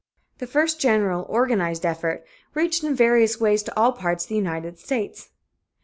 The first general, organized effort reached in various ways to all parts of the United States.